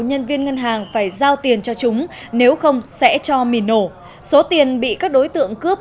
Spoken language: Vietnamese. nhân viên ngân hàng phải giao tiền cho chúng nếu không sẽ cho mìn nổ số tiền bị các đối tượng cướp